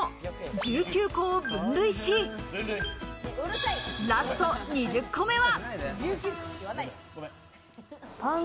１９個を分類し、ラスト２０個目は。